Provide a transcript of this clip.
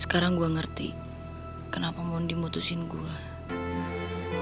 sekarang gue ngerti kenapa mondi mutusin gue